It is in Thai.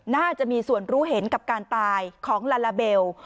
น่าจะมีส่วนรู้เห็นกับการตายของลาลาเบล